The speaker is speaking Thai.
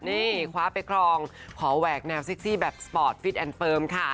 นี่คว้าไปครองขอแหวกแนวเซ็กซี่แบบสปอร์ตฟิตแอนดเฟิร์มค่ะ